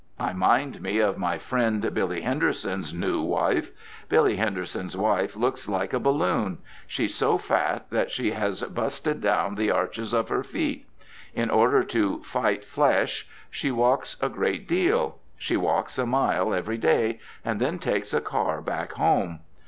I mind me of my friend Billy Henderson's new wife. Billy Henderson's wife looks like a balloon. She's so fat that she has busted down the arches of her feet. In order to "fight flesh" she walks a great deal. She walks a mile every day, and then takes a car back home.